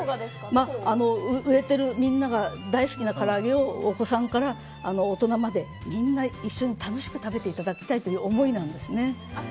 売れてるみんなが大好きなから揚げをお子さんから大人までみんな一緒に楽しく食べていただきたいという思いなんですね。